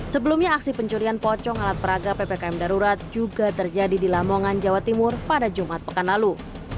sebelumnya aksi pencurian pocong alat peraga ppkm darurat juga terjadi di lamongan jawa timur pada jumat pekan lalu